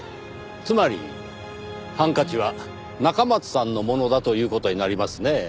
つまりハンカチは中松さんのものだという事になりますねぇ。